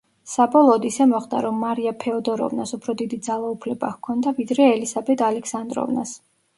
საბოლოოდ ისე მოხდა, რომ მარია ფეოდოროვნას უფრო დიდი ძალაუფლება ჰქონდა ვიდრე ელისაბედ ალექსანდროვნას.